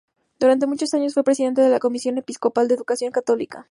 Durante muchos años fue presidente de la Comisión Episcopal de Educación Católica.